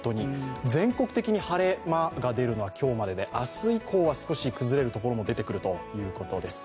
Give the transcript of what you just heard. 全国的に晴れ間が出るのは今日までで明日以降は少し崩れるところも出てくるということです。